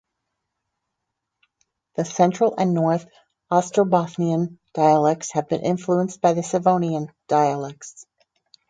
The Central and North Ostrobothnian dialects have been influenced by the Savonian dialects.